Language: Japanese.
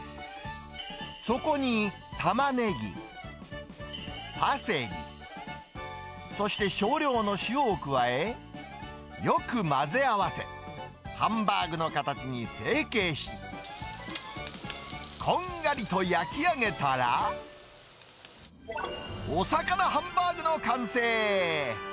そこに、タマネギ、パセリ、そして少量の塩を加え、よく混ぜ合わせ、ハンバーグの形に成形し、こんがりと焼き上げたら、お魚ハンバーグの完成。